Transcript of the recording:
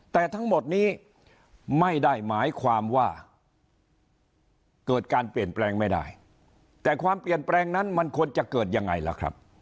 แต่ทั้งหมดนี้ไม่ได้หมายความว่าเกิดการเปลี่ยนแปลงไม่ได้แต่ความเปลี่ยนแปลงนั้นมันควรจะเกิดยังไงล่ะครับ